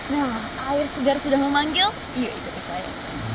nah air segar sudah memanggil yuk ikuti saya